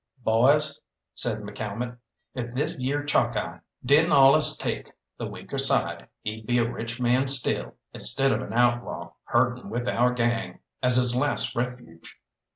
"Boys," said McCalmont, "if this yere Chalkeye didn't allus take the weaker side, he'd be a rich man still, instead of an outlaw herdin' with our gang as his last refuge."